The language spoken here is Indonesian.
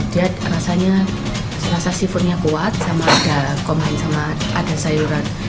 dia rasanya rasa seafoodnya kuat sama ada combine sama ada sayuran